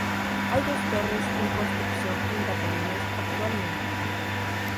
Hay dos torres en construcción en Catalinas actualmente.